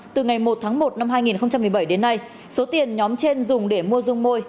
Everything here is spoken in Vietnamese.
từ ngày một tháng một năm hai nghìn một mươi bảy đến nay số tiền nhóm trên dùng để mua dung môi